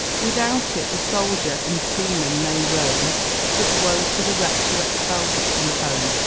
Without it the soldier and seaman may roam, But woe to the wretch who expels it from home.